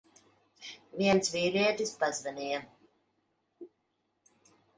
Viens vīrietis pazvanīja.